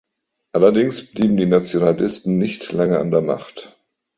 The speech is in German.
Allerdings blieben die Nationalisten nicht lange an der Macht.